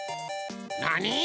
なに？